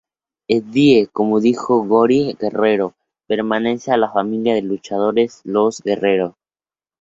Eddie, como hijo de Gory Guerrero, pertenece a la familia de luchadores Los Guerrero.